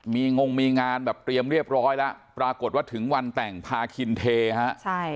มีงงมีงานแบบเตรียมเรียบร้อยแล้วปรากฏว่าถึงวันแต่งพาคินเทฮะใช่